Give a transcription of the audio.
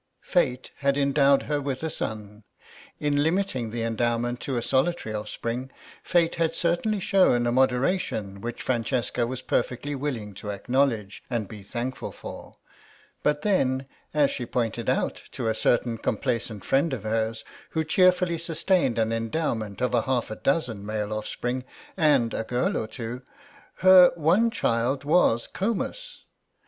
Fate had endowed her with a son; in limiting the endowment to a solitary offspring Fate had certainly shown a moderation which Francesca was perfectly willing to acknowledge and be thankful for; but then, as she pointed out to a certain complacent friend of hers who cheerfully sustained an endowment of half a dozen male offsprings and a girl or two, her one child was Comus.